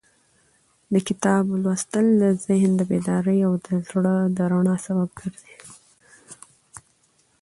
د کتاب لوستل د ذهن د بیدارۍ او د زړه د رڼا سبب ګرځي.